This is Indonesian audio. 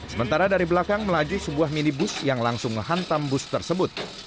sementara dari belakang melaju sebuah minibus yang langsung menghantam bus tersebut